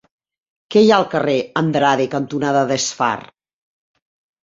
Què hi ha al carrer Andrade cantonada Desfar?